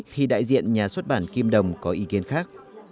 khi đại diện nhà xuất bản kim đồng có ý kiến khác